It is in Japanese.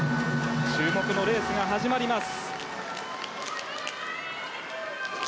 注目のレースが始まります。